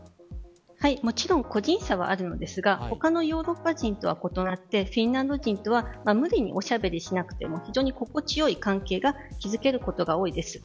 もちろん個人差はあるんですが他のヨーロッパ人とは異なってフィンランド人とは無理におしゃべりしなくても非常に心地よい関係が築けることが多いです。